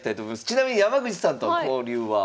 ちなみに山口さんとの交流は？